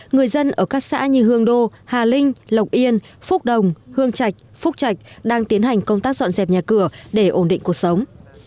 người dân ở các xã như hương đô hà linh lộc yên phúc đồng hương trạch phúc trạch đang tiến hành công tác dọn dẹp nhà cửa để ổn định cuộc sống